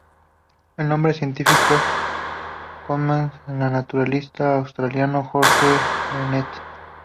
El nombre científico conmemora al naturalista australiano George Bennett.